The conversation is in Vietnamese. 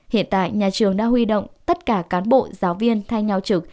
hiện tại nhà trường đã huy động tất cả cán bộ giáo viên thay nhau trực